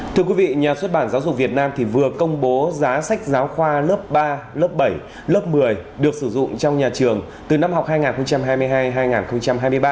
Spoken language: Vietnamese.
thưa quý vị nhà xuất bản giáo dục việt nam vừa công bố giá sách giáo khoa lớp ba lớp bảy lớp một mươi được sử dụng trong nhà trường từ năm học hai nghìn hai mươi hai hai nghìn hai mươi ba